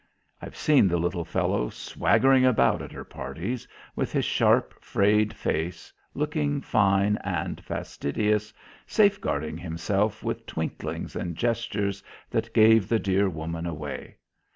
I've seen the little fellow swaggering about at her parties, with his sharp, frayed face, looking fine and fastidious, safeguarding himself with twinklings and gestures that gave the dear woman away.